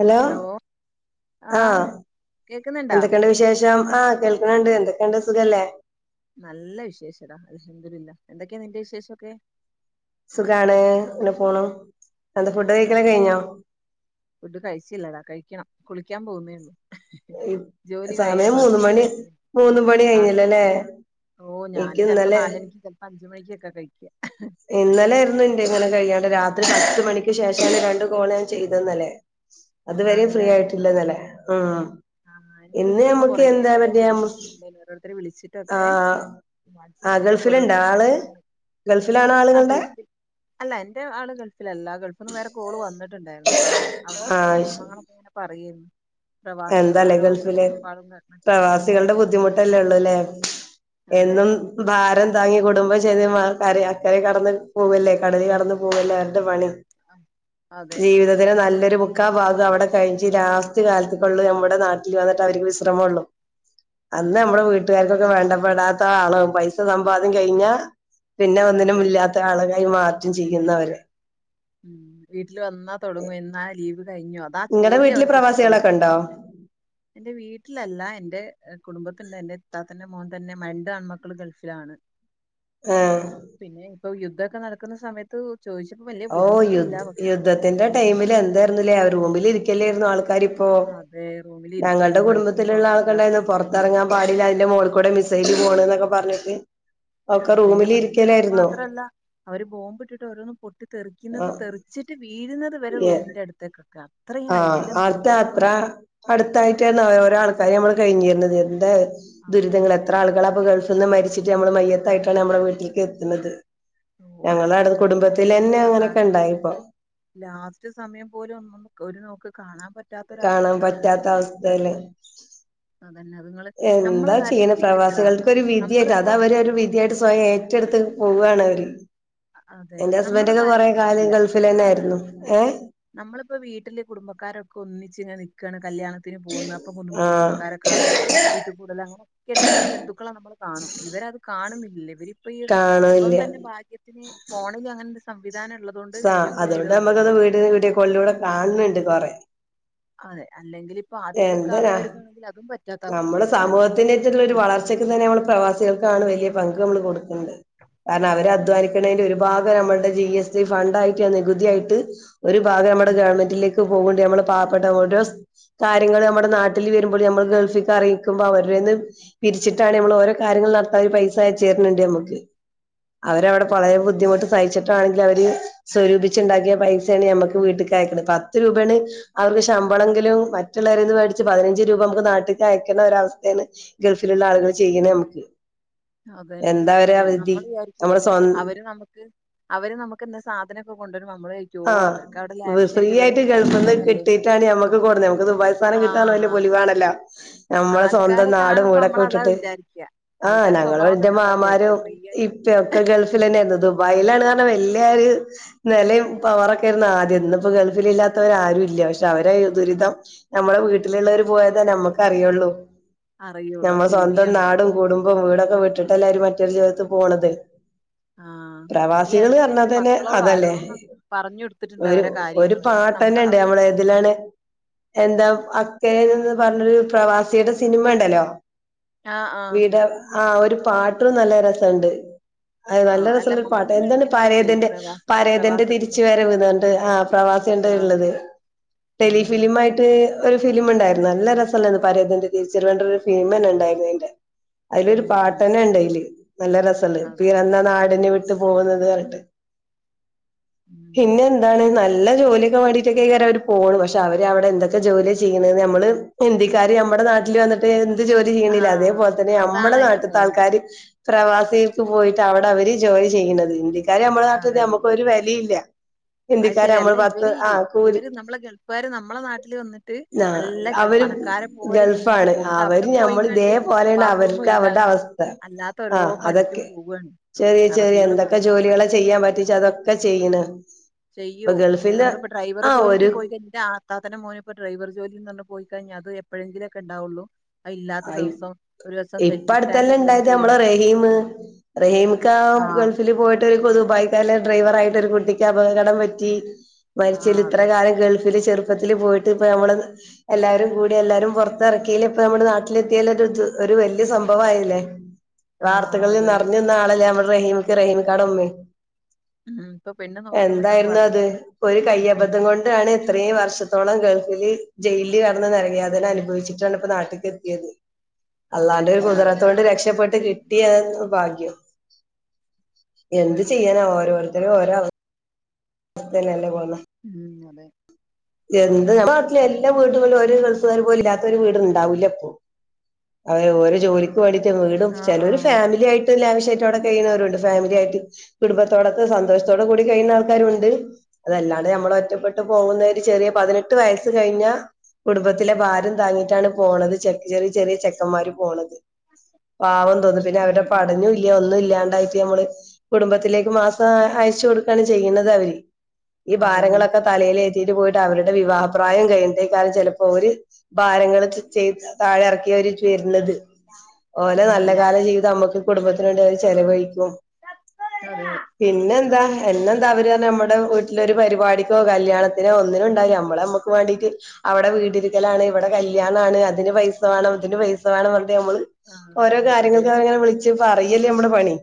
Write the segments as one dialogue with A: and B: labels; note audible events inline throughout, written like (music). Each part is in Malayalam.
A: ഹലോ ആഹ്
B: കേക്കുന്നുണ്ടാ
A: എന്തൊക്കെയുണ്ട് വിശേഷം? ആഹ് കേൾക്ക്ണ് ണ്ട് എന്തൊക്കെയിണ്ട് സുഖല്ലേ?
B: നല്ല വിശേഷം ടാ (unintelligible) എന്തൊക്കെയാണ് നിന്റെ വിശേഷമൊക്കെ?
A: സുഖാണ് അങ്ങനെ പോണു എന്താ ഫുഡ് കഴിക്കലൊക്കെ
B: ആഹ്
A: കഴിഞ്ഞോ
B: ഫുഡ് കഴിച്ചില്ലടാ കഴിക്കണം. കുളിക്കാൻ പോകുന്നേള്ളൂ
A: ഇ-
B: ജോലി കഴിയാൻ
A: സമയം മൂന്ന്
B: കൊറച്ചു
A: മണി
B: നേരം വൈകി
A: മൂന്ന് മണി
B: അത്
A: കഴിഞ്ഞില്ലല്ലേ
B: ഓ ഞാന്
A: എനിക്ക്
B: ചെലപ്പം
A: ഇന്നലെ
B: നാല് മണിക്ക് ചെലപ്പോൾ അഞ്ച് മണിക്കൊക്കെ കഴിക്ക്യാ
A: ഇന്നലെ ഇരുന്നു എന്റെ ഇങ്ങനെ കഴിയാണ്ട് രാത്രി പത്ത് മണിക്ക് ശേഷമാണ് രണ്ട് കോൾ ഞാൻ ചെയ്തെ ഇന്നലേ.
B: (unintelligible)
A: അത് വരെ ഫ്രീ
B: ആണ്ല്ലേ
A: ആയിട്ടില്ല ഇന്നലെ ആ
B: ആഹ് എനിക്ക് ഇന്ന് ഇപ്പോ കൊറേ ഓരോ ബുദ്ധിമുട്ടുകള് ഉണ്ടല്ലോ ഓരോരുത്തരെ വിളിച്ചിട്ടൊക്കെ.
A: ആഹ് ആഹ്
B: വാട്സപ്പിലൊക്കെ
A: ഗൾഫിലുണ്ടോ
B: ഓരോരുത്തരും
A: ആള്
B: അപ്പയൂണ്ട്
A: ഗൾഫിലാണോ
B: ആ
A: ആളുകളുടെ
B: ഗൾഫിൽ അല്ല എന്റെ ആള് ഗൾഫിലല്ല. ഗൾഫിന്ന് വേറെ കോള് വന്നിട്ടുണ്ടായിരുന്നു പാവം അവിടത്തെ ഓരോ
A: ആഹ്
B: വിഷമങ്ങളൊക്കെ പ പറയേന്ന് പ്ര വാസികളെ
A: എന്താലേ
B: ഓരോ
A: ഗൾഫില്
B: കഷ്ടപ്പാടും മറ്റും അതെ
A: പ്രവാസികളുടെ ബുദ്ധിമുട്ടല്ലേ ഉള്ളൂല്ലേ
B: അതെ
A: എന്നും ഭാരം താങ്ങി കുടുംബം ചെയ്ത് കരയാക്കരിം കടന്ന് പോവല്ലേ കടല് കടന്ന് പോവല്ലേ അവരുടെ പണി
B: അതെ
A: ജീവിതത്തില് നല്ലൊരു മുക്കാല് ഭാഗവും അവിടെ കഴിച്ച് ലാസ്റ്റ് കാലത്ത് ഒള്ളൂ നമ്മുടെ നാട്ടിൽ വന്നിട്ട് അവർക്ക് വിശ്രമം ഒള്ളു അന്ന് നമ്മുടെ
B: അതന്നെ
A: വീട് വീട്ടുകാർക്കൊക്കെ വേണ്ടപ്പെടാത്ത ആളാകും പൈസ സമ്പാദ്യം കഴിഞ്ഞാ പിന്നെ ഒന്നിനും
B: അതെ
A: ഇല്ലാത്ത ആളകായി മാറ്റം ചെയ്യുന്നവരെ
B: ഉം വീട്ടില് വന്നാ തുടങ്ങൂ എന്ന ആഹ ലീവ് കഴിഞ്ഞോ അതാ
A: നിങ്ങളടെ
B: ചോദ്യം
A: വീട്ടില്
B: അവർക്ക്
A: പ്രവാസികളൊക്കെ
B: ഇഷ്ടമല്ലാത്ത
A: ഉണ്ടോ
B: എന്റെ വീട്ടിലല്ല എന്റെ കുടുംബത്തിണ്ട് എന്റെ ഇത്താത്തന്റെ മോൻ തന്നെ രണ്ട് ആൺമക്കൾ ഗൾഫിലാണ് ! !
A: ആഹ്
B: പിന്നെ ഇപ്പൊ യുദ്ധക്കെ നടക്കുന്ന സമയത്ത് ചോദിച്ചപ്പോ വല്യ
A: ഓഹ് യുദ് യുദ്ധത്തിന്റെ ടൈമില് എന്തായിരുന്ന്ല്ലേ അവർ റൂമിൽ ഇരിക്കലോയിരുന്നോ ആൾക്കാര് അപ്പോ
B: അതെ റൂമിൽ
A: ഞങ്ങളുടെ
B: ഇരിക്കായിരുന്നു പണിക്കും പോകാൻ
A: കുടുംബത്തിലുള്ള
B: പറ്റില്ല
A: ആൾക്കണ്ടായിരുന്നു
B: അല്ലാത്ത
A: പുറത്തിറങ്ങാൻ പാടില്ല അയിന്റെ മോൾ കൂടെ മിസൈലൽ പോണ് എന്നൊക്കെ പറഞ്ഞിട്ട് ഒക്കെ
B: അതെ
A: റൂമിൽ
B: ഭയങ്കര അത്
A: ഇരിക്കലായിരുന്നു
B: മാത്രല്ല അവര് ബോംബ് ഇട്ടിട്ട് ഓരോന്ന്
A: ആ
B: പൊട്ടിത്തെെറിക്കുന്നത് തെറിച്ചിട്ട് വീഴുന്നത് വരെ റൂമിന്റെ അടുത്തേകൊക്കെ ആണ്
A: ആഹ് അത് അത്ര അടുത്തായിട്ട് ഓരോ ആൾക്കാർ നമ്മൾ കഴിഞ്ഞിരുന്നത് എന്താ ദുരിതങ്ങൾ
B: അങ്ങനെ
A: എത്ര ആളുകളാ ഇപ്പൊ ഗൾഫ് ന്ന് മരിച്ചിട്ട് നമ്മൾ മയ്യത്തായിട്ടാണ് നമ്മടെ വീട്ടിലേക്ക് എത്തുണത്
B: ഓഹ് അതൊക്കെ
A: ഞങ്ങള അടുത്ത് കുടുംബത്തിലെന്നെ
B: വല്ലാത്തൊരവസ്ഥ
A: അങ്ങനെയൊക്കെ
B: കാരണം
A: ഉണ്ടായിപ്പൊ
B: ലാസ്റ്റ് സമയം പോലും ഒ ഒരു നോക്ക് കാണാൻ പറ്റ
A: കാണാൻ പറ്റാത്ത അവസ്ഥല്ലേ
B: അതന്നെ അതുങ്ങള് നമ്മളെ
A: എന്താ
B: കാര്യം
A: ചെയ്യ്ണ്
B: പ്രശ്നല്ലടാ
A: പ്രവാസികൾക്കൊരു വിധിയായിട്ട് അത
B: നമ്മളിപ്പോ
A: അവര് ഒരു വിധിയായിട്ട് സ്വയം ഏ റ്റടുത്ത് പോവാണ് അവര്
B: അതെ
A: എന്റെ
B: നമ്മളെ
A: ഹസ്ബന്റെക്കെ
B: കാര്യം
A: കൊറെേ കാലം
B: പ്രശ്നല്ല
A: ഗൾഫിലന്നെ ആയിരുന്നു
B: നമ്മളെന്താറിയോ
A: ഏഹ്
B: നമ്മളിപ്പോ വീട്ടില് കുടുംബക്കാരൊക്കെ ഒന്നിച്ച് ഇങ്ങനെ നിക്കാണ് കല്യാണത്തിന് പോകുന്ന അപ്പൊ കു
A: ആഹ്
B: കുടുംബക്കാരൊക്കെ കാണ് വീട്ട് കൂടൽ അങ്ങനെയൊക്കെ എന്തെങ്കിലും ബന്ധുക്കളോ നമ്മൾ കാണും ഇവരത് കാണുന്നില്ല ഇവര് ഇപ്പൊ ഈ ഇപ്പം
A: കാണുന്നില്ല
B: തന്നെ ഭാഗ്യത്തിന് ഫോണില് അങ്ങനെ ഒരു സംവിധാനം ഉള്ളത്
A: സ അതുകൊണ്ട് നമ്മുക്കത് വീടിന് വീഡിയോ കോളിൽ കാണുന്നുണ്ട് കൊറെേ
B: അതെ അല്ലെങ്കിൽ ഇപ്പൊ ആദ്യത്തൊക്കെ
A: എന്തിനാ
B: ആൾക്കാർക്കാണെങ്കിൽ അതും പറ്റാത്ത
A: നമ്മുടെ
B: അവസ്ഥയായിരുന്നല്ലോ
A: സമൂഹത്തിനറ്റുള്ള ഒരു വളർ ച്ചക്ക് തന്നെ നമ്മള് പ്രവാസികൾക്കാണ് വലിയ പങ്ക് നമ്മള് കൊടുക്കുന്നത് കാരണം അവരെ
B: പിന്നെ
A: അധ്വാനിക്കണതിന്റെ ഒരു
B: തീർച്ചയായിട്ടും
A: ഭാഗം നമ്മുടെ ജി എസ് ടി ഫണ്ട് ആയിട്ട് നികുതിയായിട്ട് ഒരു ഭാഗം നമ്മടെ
B: ഉം
A: ഗവൺമെന്റിലേക്ക് പോക്ണ്ട് നമ്മള് പാവപ്പെട്ട ഓരോ കാര്യങ്ങൾ നമ്മുടെ നാട്ടിൽ വരുമ്പോൾ നമ്മൾ ഗൾഫക്ക് അറിയിക്കുമ്പോൾ അവരുടെന്ന് പിരിച്ചിട്ടാണ് നമ്മൾ ഓരോ കാര്യങ്ങൾ നടത്ത ഒരു പൈസ സ അയച്ച് തരുനുണ്ട് നമ്മക്ക് അവരവിടെ (unintelligible) ബുദ്ധിമുട്ട് സഹിച്ചിട്ടണെങ്കിൽ അവര് സ്വരൂപിച്ചിണ്ടാക്കിയ പൈസയാണ് നമ്മുക്ക് വീട്ട്ക്ക് അയക്ക്ണ് പത്ത് രൂപയാണ് അവർക്ക് ശമ്പളെങ്കിലും മറ്റുള്ളവരെന്ന് മേടിച്ച് പതിനഞ്ച് രൂപ നമുക്ക് നാട്ടില്ക്ക് അയക്കണ ഒരവസ്ഥയാണ് ഗൾഫിലുള്ള ആളുകൾ ചെയ്യണേ നമുക്ക്
B: അതന്നെ
A: എന്താ അവരെ
B: സത്യ
A: അവധി
B: നമ്മൾ വിചാരിക്കേ
A: നമ്മുടെ സ്വ
B: അവര് നമുക്ക് അവര് നമുക്ക്ന്തേ സാധനമൊക്കെ കൊണ്ടുവരുംമ്പോ നമ്മള് വിചാരിച്ചും ഓഹ്
A: ആഹ്
B: അവർക്ക് അവിടെ ലാവിഷായിട്ട് ഇവരൊക്ക കഴിക്കുന്നതല്ലേ
A: എന്തായാലും നമുക്ക് കൊടുന്ന് നമുക്ക് ദുബായ് സാനം
B: ആ
A: കിട്ടാന്ന് പറഞ്ഞ വല്യ പൊലിവാണല്ലോ ഞമ്മളെ സ്വന്തം
B: ആൾക്കാരെ
A: നാടും
B: കാണുമ്പോ നമ്മൾ
A: വീടൊക്കെ
B: അതാ
A: വിട്ടിട്ട്
B: വിചാരിക്കുക
A: ആഹ്
B: ആൾക്കാരെ
A: ഞങ്ങളെ
B: സ്വഭാവം
A: എന്റെ
B: കണ്ട അതാ
A: മാമാരും
B: വിചാരിക്കുക ഫ്രീ ആയിട്ട്
A: ഇപ്പൊക്കെ ഗൾഫിൽ തന്നെയായിരുന്നു ദുബായിലാണ് പറഞ്ഞ വല്യരു നെലം അവറോക്കെ ആരുന്നു ആദ്യം ഇന്ന് ഇപ്പോ ഗൾഫിൽ ഇല്ലാത്തവര് ആരും ഇല്ല പക്ഷെ അവരെ ദുരിതം നമ്മുടെ വീട്ട ട്ടിലുള്ളവർ
B: അതെ
A: പോയത നമ്മുക്കറിയൊള്ളൂ
B: അറിയുള്ളൂ
A: നമ്മളെ സ്വന്തം
B: ശരിയാണ്
A: നാടും കൂടും ബം വീടൊക്കെ വിട്ടിട്ടല്ലരു മറ്റൊരു ജീവിതത്തി പോണത്
B: ആഹ് ഈ
A: പ്രവാസികള്
B: അടുത്ത്
A: പറഞ്ഞാ
B: എന്റെ
A: തന്നെ
B: മക്കളോട്
A: അതല്ലേ
B: ആരോടോ ഒന്ന് പറഞ്ഞു കൊടു
A: ഒരു ഒരു പാട്ടന്നെണ്ട് നമ്മള ഏതിലാണ് എന്താ അക്കന്ന് പറഞ്ഞൊരു പ്രവാസിയുടെ സിനിമ ണ്ടല്ലോ
B: ആ ആ
A: വിട ആഹ് ഒരു പാട്ടും നല്ല രസണ്ട് അത് നല്ല
B: ആഹ് അല്ല
A: രസള്ളൊരു പാട്ട്
B: മമ്മൂട്ടിന്റെ ഒരു
A: എന്താണ്
B: സിനിമയുണ്ട്
A: പാരേതന്റെ
B: പ്രവാസ
A: പരേതന്റെ തിരി
B: പ്രവാസത്തിന്റെ
A: തിരിച്ച് വരവ് ന്ന് പറഞ്ഞിട്ട് പ്രവാസികൾടെ അതി
B: ആഹ്
A: ഉള്ളത് ടെലി
B: ഉം
A: ഫിലിം ഒരു ഫിലിമ ഉണ്ടായിരുന്നു നല്ല രസമന്ന് പറയന്റെ തിരിച്ച വേണ്ട ഒരു ഫിലിമ ഉണ്ടായിരുന്നു അയിന്റെ അയ്ലൊരു
B: ഉം
A: പാട്ട്
B: ഉം
A: തന്നെ ഉണ്ട് അയ്ല് നല്ല രസള്ള്
B: അതെ
A: പിറന്നാ നാടിനെ വിട്ട് പോകുന്നത് പർഞ്ഞിട്ട്
B: ഉം
A: പിന്നെ എന്താണ് നല്ല ജോലിയൊക്കെ വേ ണ്ടിട്ട് അവര് പോണ്പക്ഷെ അവര് അവിടെ എന്തൊക്കെ ജോലി ചെയ്യണേ നമ്മള് ഹിന്ദിക്കാര്നമ്മടെ നാട്ടില് വന്നിട്ട്- എന്ത് ജോലി ചെയ്യണില്ല
B: ആഹ്
A: അതേപോലെ തന്നെ
B: അതാണ്
A: നമ്മുടെ
B: അയിന്റെ
A: നാട്ടത്തെ
B: പോയിന്റ്
A: ആൾക്കാര് പ്രവാസിക്ക് പോയിട്ട് അവിടെ അവര് ജോലി ചെയ്യുന്നത് ഹിന്ദിക്കാര് നമ്മളെ നാട്ടിൽ
B: അതന്നെ
A: നമ്മുക്ക് ഒരു വെലയില്ല
B: അത്
A: ഹിന്ദിക്കാര്
B: ശെരിയല്ല
A: നമ്മള് പത്ത്
B: ഇവര്
A: ആ
B: ഇല്ലെ
A: കൂലി
B: ഇവര് നമ്മളെ ഗൾഫുകാര് നമ്മളെ നാട്ടില് വന്നിട്ട്-
A: ആ
B: നല്ല
A: അവര്
B: പണക്കാരെ പോലെ ജീവിച്ചു
A: ഗൾഫാണ്
B: പോണ്ട് അവിടെ
A: അവര്
B: പോയി
A: ഞമ്മള്
B: കണ്ട്
A: ഇതേപോലെയാണ്
B: ബാത്റൂം
A: അവർക്ക് അവരുടെ
B: കഴുക്കാനും-
A: അവസ്ഥ
B: അല്ലാത്ത ഓരോ
A: ആ
B: പണിക്കും
A: അതൊക്കെ
B: പോവുവാണ്.
A: ചെറിയ ചെറിയ എന്തൊക്കെ ജോലികളെ ചെയ്യാൻ പറ്റിച്ചാ അതൊക്കെ ചെയ്യണ് ഇപ്പൊ
B: ചെയ്യും
A: ഗൾഫില്
B: നമ്മളിപ്പോ ഡ്രൈവർ
A: ആ
B: ജോലിക്ക്
A: ഒരു
B: പോയിക്ക എന്റെ ആത്താത്താന്റെ മോന് ഇപ്പോ ഡൈവർ ജോലിൽ നിന്ന് പറഞ്ഞ് പോയി കഴിഞ്ഞാ അത് എപ്പോഴെങ്കിലുമക്കെ ഉണ്ടാവുള്ളൂ. ഇല്ലാത്ത ദിവസം ഒരു ദിവസം
A: ഇപ്പ
B: സെഫിക് ടാങ്ക് ക്ലീൻ ചെയ്യാ
A: റഹിം കാ ഗൾഫില് പോയിട്ട്- കൊതു ദുബായിക്കാൻ ഡ്രൈവർ ആയിട്ട് ഒരു കുട്ടിക്ക് അപകടം പറ്റി.
B: ആ
A: മരിച്ചിലെ ഇത്ര
B: അതെ
A: കാലം ഗൾഫിൽ ചെറു- ത്തിത്തില് പോയിട്ട് ഇപ്പ നമ്മള് എല്ലാരും കൂടി എല്ലാരും പുറത്തിറക്കില്ല ഇപ്പ നമ്മ ന (unintelligible) ട്ടത്തിയ വലിയ സംഭവയില്ലേ
B: ആ അത്
A: വാർത്തകളിൽ
B: തന്നെ
A: നെറഞ്ഞ് നാളല്ലേ നമ്മറഹീമിക്ക റഹീമി (unintelligible) ക്കാടെഉമ്മയും
B: ഉം ഇപ്പൊ പെണ്ണ് നോക്കുന്നുണ്ടെന്ന്
A: എന്തായിരുന്നു
B: പറഞ്ഞു
A: അത് ഒരു കയ്യബദ്ധം കൊണ്ട്- എന്താണ് ഇത്രയും വർഷത്തോളം ഗൾഫിൽ ജയിൽ കറടന്ന് നെരകയാതനാ അനുഭവിച്ചിട്ടാണ് ഇപ്പോ നാട്ടിക്ക്-
B: അത്
A: അല്ലാന്റെ
B: തന്നെ
A: ഒരു
B: അതറിയാതെ
A: കുദ്റരത്തൊണ്ട്
B: പറ്റിയൊരു
A: രക്ഷപ്പെട്ട് കിട്ടിയ
B: അബദ്ധത്തിനുണ്ട്
A: യത്ഭാഗ്യം. എന്ത് ചെയ്യാനാ ഓരോരുത്തരും ഓരോ- അതല്ലല്ലേ പോന്ന്
B: ഉം അതെ.
A: എന്ത് ഞമ്മുടെ നാട്ടിൽ എല്ലാ വീടുകളും ഒരു ഗൾഫുകാർ പോലും ഇല്ലാത്ത ഒരു വീടവുണ്ടാവൂല്ല ഇപ്പോ- അവര് ഓരോ ജോലിക്ക് വേണ്ടീട്ട് വീടും
B: ആ ആ
A: ചിലവര് ഫാമിലി ആയിട്ട്. ലാവിശ്വായിട്ട് അവിടെ കഴിയുന്നവരുണ്ട് ഫാമിലിയയിട്ട് കുടുംബത്തോടൊത്ത് സന്തോഷത്തോടെ കൂടി കഴിയുന്ന ആൾക്കാരരുണ്ട്. അതല്ലാണ്ട് ഞമ്മള് ഒറ്റപ്പെട്ട് പോകുന്നവര് ചെറിയ പതിനെട്ട് വയസ്സ് കഴിഞ്ഞാ- കുടുംബത്തിലെ ഭാരം താങ്ങിയിട്ടാണ് പോണത് ചെക്ക് ചെറിയ ചെറിയ ചെക്കന്മാര് പോണത്. പാവം തോന്നും പിന്നെ
B: ഉം
A: അവരുടെ
B: ഉം
A: പഠനം- ഇന് ഒന്നും ഇല്ലാണ്ടായിട്ട് നമ്മള് കുടുംബത്തിലേക്ക് മാസം അയച്ച് കൊടുക്കാണ് ചെയ്യുന്നത് അവര്- ഈ
B: അതന്നെ
A: ഭാരങ്ങളൊക്കെ തലയിലേറ്റിട്ട് പോയിട്ട് അവരുടെ വിവാഹപ്രായം കഴിഞ്ഞിട്ടേ ക്കാരും ചിലപ്പോ അവര് ഭാരങ്ങള് ചൊറ്റഴി താഴെ ഇറക്കി അവര് വരുന്നത്. ഓലെ നല്ല
B: ഉം
A: കാല ജീവിതം നമ്മുക്ക് കുടുംബത്തിന് വേണ്ടി അവര് ചിലവഴിക്കും.
B: അതെ
A: പിന്നെന്താ എന്നെന്താ അവര് നമ്മടെ വീട്ടിലൊരു പരിപാടിക്കോ കല്യാണ- ത്തിനോ ഒന്നിനും ഉണ്ടാവുല നമ്മള് നമ്മക്ക് വേണ്ടീട്ട്. അവിടെ വീടിരിക്കലാണ് ഇവിടെ കല്യാണണ് അതിന് പൈസ വേണം ഇതിന് പൈസ വേണം പറഞ്ഞിട്ട് നമ്മള്-
B: ആ
A: ഓരോ
B: അതെ
A: കാര്യങ്ങൾക്ക് ഇങ്ങനെ വിളിച്ചു പറയല്ലേ നമ്മുടെ പണി.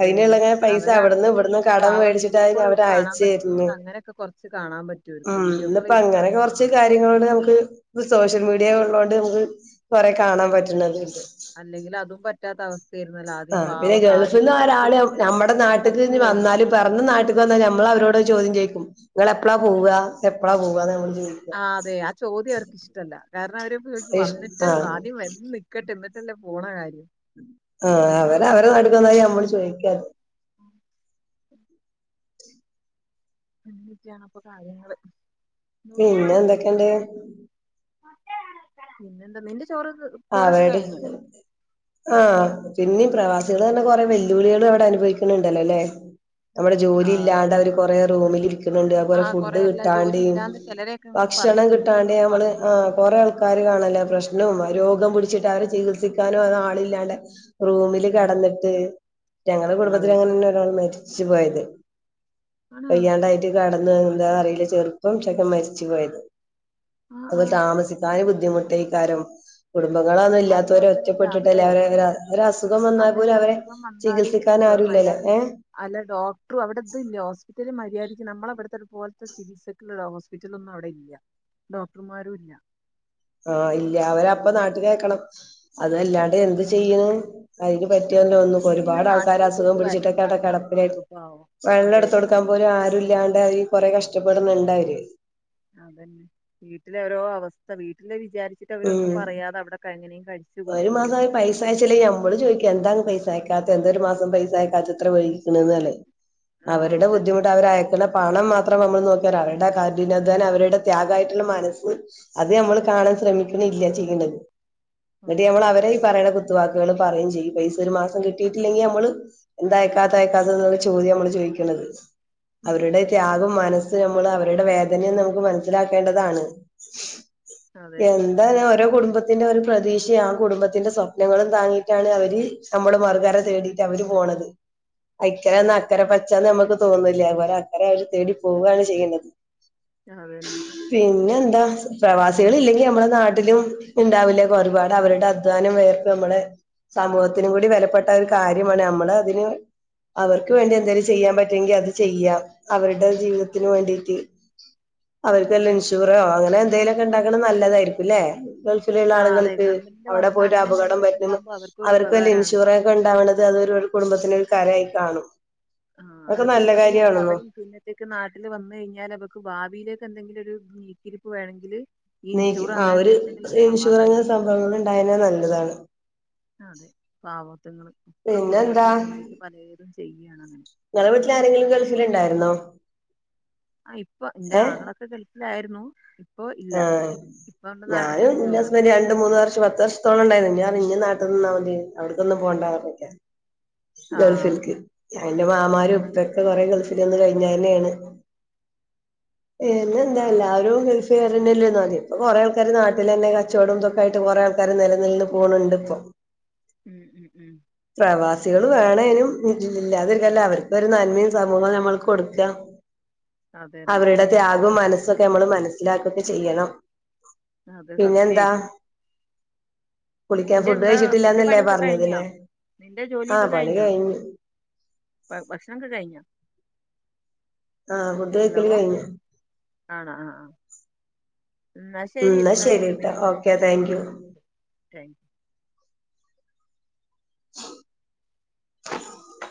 A: അതിനുള്ള ഇങ്ങനെ പൈസ അവിടുന്നും
B: അവരാണെങ്കില്
A: ഇവിടുന്നും കടം
B: പാവം
A: മേടിച്ചിട്ടായാലും അവര് അയച്ച് തരുന്നത്.
B: കുറച്ച് കാണാൻ പ
A: ഉം ഇന്നിപ്പോ അങ്ങനെ കൊറച്ച് കാര്യങ്ങളോണ്ട് നമുക്ക് ഇന്ന് സോഷ്യൽ മീഡിയ ഉള്ളോണ്ട് നമുക്ക് കൊറെ കാണാൻ പറ്റുന്നുന്നത്
B: അതന്നെ
A: ഉണ്ട്
B: അല്ലെങ്കിൽ അതും പറ്റാത്ത അവസ്ഥയായിരുന്നല്ലോ ആദ്യം
A: ആഹ് പിന്നെ
B: പാവൊക്കെ
A: ഗൾഫിൽ
B: ആദ്യൊക്കെ
A: നിന്ന്
B: കത്തില്
A: ഒരാള് നമ്മുടെ നാട്ടിക്ക്‌
B: കത്ത്
A: ഇനി
B: വഴി
A: വന്നാലും പിറന്ന നാട്ടിക്ക് വന്നാൽ ഞമ്മള് അവരോട് ഒരു ചോദ്യം ചോദിക്കും നിങ്ങള് എപ്പളാ പോവുക എപ്പളാ പോവുകാന്ന് ഞമ്മള് ചോദിക്കും.
B: ആ അതെ ആ ചോദ്യം അവർക്കിഷ്ടവല്ല കാരണം അവര് വീട്ടിൽ വന്നിട്ടേ ഉളളൂ
A: ആഹ്
B: ആദ്യം വന്ന് നി ക്കട്ടെ എന്നിട്ടല്ലേ പോണ കാര്യം
A: ആഹ് അവര് അവരടെ നാട്ടിൽ ചെന്ന് കഴിഞ്ഞാൽ നമ്മളോട് ചോദിക്കും.
B: ആഹ് ഉം അങ്ങനൊക്കെയാണ് അപ്പൊ കാര്യങ്ങള് നോക്കി
A: പിന്നെ
B: പോണേ ശ്രദ്ധിച്ച്
A: എന്തൊക്കെണ്ട്
B: പോണേ പിന്നെന്താ നിന്റെ ചോറ് (unintelligible)
A: ആവേട്
B: കഴിഞ്ഞോ
A: ആഹ് പിന്നെയും പ്രവാസികള് അവിടെ കൊറെ വെല്ലുവിളികൾ അവിടെ അനുഭവിക്കുന്നുണ്ടല്ലോ അല്ലേ നമ്മടെ
B: ആ
A: ജോലി ഇല്ലാണ്ട്
B: അതെ
A: അവര് കൊറേ റൂമിൽ ഇ ക്കണുണ്ട്
B: ആ
A: അതുപോലെ
B: കൊറേ
A: ഫുഡ്
B: എല്ലാ ജോലി
A: കിട്ടാണ്ട്‌
B: ഇല്ലാണ്ട് ചിലരെയൊക്കെ ഇങ്ങോട്ട്
A: ഭക്ഷണം
B: പറഞ്ഞു
A: കിട്ടാണ്ട്‌
B: വിടുന്നുന്നൊക്കെ
A: ഞമ്മള്
B: പറയുന്നുണ്ട്
A: ആഹ് കൊറെ ആൾക്കാര് കാണൂലെ പ്രശ്നം രോഗം പിടിച്ചിട്ട് അവര് ചികിത്സിക്കാനോ അത് ആളില്ലാതെ റൂമില്
B: ഉം
A: കെടന്നിട്ട് ഞങ്ങടെ കുടുംബത്തില്
B: അതെ
A: അങ്ങനെയാണ് ഒരാള് മരിച്ച് പോയത്
B: ആണോ
A: വയ്യാണ്ടായിട്ട് കെടന്ന് എന്താന്ന് അറിയില്ല ചെറുപ്പം (unintelligible) മരിച്ചുപോയത്
B: ആ
A: അപ്പ
B: ആ
A: താമസിക്കാനും ബുദ്ധിമുട്ടേക്കാരം കുടുംബങ്ങളൊന്നും
B: അത്
A: ഇല്ലാത്തവരെ
B: മാത്രല്ല അവിടെ
A: ഒറ്റപ്പെട്ടിട്ടല്ലേ അവരെ ഒര ഒരസുഖം വന്നാ
B: അവിടെ ഇനി
A: പോലും അവരെ
B: അസുഖം വന്നാല്
A: ചികിത്സിക്കാൻ
B: ല-
A: ആരുവില്ലല്ലോ
B: മര്യാദ
A: ഏഹ്
B: അല്ല ഡോക്ടർ അവിടെ ഇത് ഇല്ലേ ഹോസ്പിറ്റല് മര്യാദക്ക് നമ്മളെ അവിടുത്തൊരു പോലത്തെ ചികിത്സ ഇല്ല ഹോസ്പിറ്റലൊന്നും അവിടെ ഇല്ല്യ ഡോക്ടർമാരും ഇല്ല
A: ആഹ് ഇല്ല അവരപ്പ നാട്ടിക്ക്‌ അയക്കണം അതല്ലാണ്ട് എന്ത് ചെയ്യണ് അയിന് പറ്റിയാണ്ട് അവിടുന്ന്
B: അതെന്തിനും
A: ഒരുപാട് ആൾക്കാര് അസുഖം
B: നാട്ടിലേക്കൊക്കെ വരണം
A: പിടിച്ചിട്ടൊക്കെ അവിടെ
B: എന്നാലേ
A: കിടക്കണ്
B: നടക്കുള്ളൂ പാവം
A: വെള്ളം
B: അതെ
A: എടുത്ത് കൊടുക്കാൻ പോലും ആരും ഇല്ലാണ്ടായി കൊറെ കഷ്ടപ്പെടുന്നുണ്ടവര്
B: അത് തന്നെ വീട്ടിലെ ഓരോ അവസ്ഥ വീട്ടില് വിചാരി ച്ചിട്ട്
A: ഉം
B: അവരൊന്നും പറയാതെ അവിടൊക്കെ എങ്ങനെയും കഴിച്ചുകൂട്ടു (unintelligible)
A: ത്തില് ഞമ്മള് ചോയ്ക്കും എന്താണ് പൈസ അയക്കാത്തെ എന്താ ഒരു മാസം പൈസ അയക്കാത്തെ ഇത്ര വൈകിക്കണത് എന്നല്ലേ
B: ആ
A: അവരുടെ
B: അതന്നെ
A: ബുദ്ധിമുട്ട് അവര് അയക്കണ പണം മാത്രം നമ്മള് നോക്കിയാല് അവരുടെ കഠിനധ്വാനം അവരുടെ ത്യാഗായിട്ടുള്ള മനസ്സ് അത് നമ്മള് കാണാൻ ശ്രമിക്കണില്ല ചെയ്യണ്ടത്
B: ആ
A: എന്നിട്ട് ഞമ്മള് അവരെ ഈ
B: അതന്നെ
A: പറയണത് കുത്ത് വാക്കുകള് പറയുവേയും ചെയ്യും പൈസ ഒരു മാസം കിട്ടിയിട്ടില്ലെങ്കിൽ നമ്മള് എന്താ അയക്കാത്തെ അയക്കാത്തെ എന്നുള്ള ചോദ്യവാ നമ്മള് ചോയ്ക്കണത് അവരുടെ
B: ഉം
A: ത്യാഗം മന സിലാക്കി നമ്മള് അവരുടെ വേദനയും നമുക്ക് മനസ്സിലാക്കേണ്ടതാണ്
B: അതെ
A: എൻ തന്നെ ഓരോ കുടുംബത്തിന്റെ ഒരു പ്രതീക്ഷയും ആ കുടുംബത്തിന്റെ സ്വപ്നങ്ങളും താങ്ങീട്ടാണ് അവര് നമ്മള് മറുകര തേടിയിട്ട് അവര് പോണത് ആഹ് ഇക്കരെ നിന്നാ അക്കര പച്ചാന്ന് ഞമ്മക്ക് തോന്നൂല്ലെ അത് പോലെ അക്കരെ അവര് തേടി പോവാണ് ചെയ്യണത്
B: ആഹ് അത് തന്നെ
A: പിന്നെന്താ പ്രവാസികള് ഇല്ലെങ്കി നമ്മടെ നാ ട്ടിലും ഉണ്ടാവില്ലേ ഒരുപാട് അവരുടെ അധ്വാനം വേർപ്പ് നമ്മളെ സമൂഹത്തിനും കൂടി വെലപ്പെട്ട ഒരു കാര്യമാണ് നമ്മള് അതിന് അവർക്ക് വേണ്ടി എന്തേലും ചെയ്യാൻ പറ്റൂങ്കി അത് ചെയ്യുക അവരുടെ ജീവിതത്തിന്
B: അതെ
A: വേണ്ടിയിട്ട്
B: അത്
A: അവർക്കെല്ലാ
B: തന്നെ
A: ഇൻഷു അങ്ങനെ എന്തേലൊക്കെ ണ്ടാക്ക്ണ് നല്ലതായിരിക്കും ലെ ഗൾഫിലുള്ള
B: ആഹ് അതെ
A: ആളുകൾക്ക്
B: ഗവൺമെന്റിന്റെ
A: അവിടെ
B: ഭാഗത്തുനിന്ന്
A: പോയിട്ട്
B: അങ്ങനെ
A: അപകടം
B: എന്തെങ്കിലുമൊക്കെ
A: പറ്റുന്ന
B: ഉണ്ടാകുമ്പോ അവർക്കൊരു
A: അവർക്ക് വല്ല
B: ഉപകാരമാണ്
A: ഇൻഷുറൻസ് ക്കൊണ്ടാവണത് അത് കുടുംബത്തിന് ഒരു കരയായി കാണും
B: ആഹ്
A: അതൊക്കെ
B: അവരെ
A: നല്ല
B: കുടുംബത്തിനല്ല
A: കാര്യമാണെന്നോ
B: അവരും പിന്നെ ര്ക്ക് നാട്ടില് വന്ന് കൈഞ്ഞാൽ അവക്ക് ഭാവിയിലേക്കെന്തെങ്കിലൊര് നീക്കിരിപ്പ് വേണങ്കില്
A: നീക്ക് ആ ഒരു ഇൻഷുറൻസ് സംഭവങ്ങൾ ണ്ടായനാ നല്ലതാണ്
B: അതെ പവാത്ത്ങ്ങൾ ഒക്കെ
A: പിന്നെ എന്താ
B: കുടുംബത്തിന് വേണ്ടീട്ട് പലതും ചെയ്യാണ്
A: ങ്ങളെ വീട്ടിൽ ആരെങ്കിലും ഗൾഫിൽ ണ്ടായിരുന്നോ
B: ആ ഇപ്പ ന്റെ ആങ്ങളൊക്കെ ഗൾഫിലായിരുന്നു ഇപ്പൊ ഇല്ല
A: ആഹ്
B: ഇപ്പൊ അവന്റെ നാട്ടിൽ
A: ഞാനും
B: തന്നെ
A: ന്റ ഹസ്ബന്റ
B: ജോലിയാണ്
A: (unintelligible) മൂന്ന് വർഷം പത്ത് വർഷത്തോളം ണ്ടായിര്ന്നു ഞാ ർഞ് ഞ് നാട്ട് നിന്ന മതി അവ്‌ട്ക്കൊന്നും പോണ്ടറഞ്ഞക്കെ
B: ആഹ്
A: ഗൾഫിൽക്ക് എന്റെ മാമാരും
B: അത്
A: പ്പൊക്കെ
B: ശരി
A: ഗൾഫ് ൽ ന്ന് കഴിഞ്ഞെന്നേണ് പിന്നെ ന്താ
B: ആഹ്
A: എല്ലാരും പെരന്നെല്ലേന്നാദ്യം പ്പൊ കൊറേ ആൾക്കാര് നാട്ടിലെന്നെ കച്ചവടംതൊക്കെ ആയിട്ട് കൊറേ ആൾക്കാർ നിലനിന്ന് പോണ് ണ്ട് പ്പൊ
B: ഉം ഉം ഉം
A: പ്രവാസികൾ വേണേനും ഇല്ലാതൊക്കല്ല അവർക്കൊരു നൻമിം സമൂഹം ഞമ്മൾ കൊടുക്ക
B: അതന്നെ
A: അവരുടെ ത്യാഗും മനസ്സൊക്കെ ഞമ്മള് മനസ്സിലാക്കുക്കെ ചെയ്യണം
B: അതെ
A: പിന്നെന്താ
B: സത്യമായിട്ടും
A: കുളിക്കാൻ
B: നിന്റെ
A: ഫുഡ്
B: എന്താ നിന്റെ
A: കഴിച്ചിട്ടില്ലാന്നല്ലേ
B: പണിയൊക്കെ കഴിഞ്ഞോ
A: പറഞ്ഞതില്ലേ
B: നിന്റെ
A: ആഹ്
B: ജോലിയൊക്കെ
A: പണി
B: കഴിഞ്ഞോ
A: കഴിഞ്ഞു
B: ഭക്ഷണം ഒക്കെ കഴിഞ്ഞോ
A: ആഹ് ഫുഡ്
B: ഹലോ
A: കഴിക്കല് കഴിഞ്ഞു
B: ആണോ ആഹ് ആഹ് എന്നാൽ
A: ഉം
B: ശരി
A: ന്നാ
B: എന്നാൽ വെച്ചോ
A: ശരിട്ടോ
B: പിന്നെ
A: ഓക്കെ താങ്ക് യു
B: വിളിക്ക
A: (inaudible)